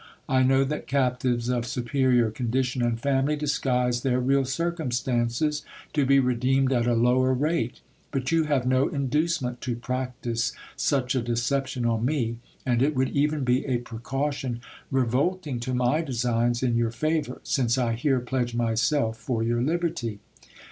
I know that captives of superior con dition and family disguise their real circumstances, to be redeemed at a lower rate ; but you have no inducement to practise such a deception on me ; and it would even be a precaution revolting to my designs in your favour, since I here pledge myself for your liberty.